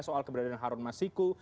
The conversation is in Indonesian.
soal keberadaan harun masiku